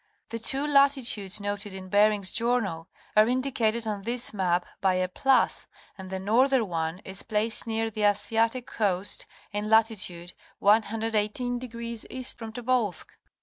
The two latitudes noted in Bering's journal are indicated on this map by a +, and the northern one is placed near the Asiatic coast in latitude 118° KE. from Tobolsk.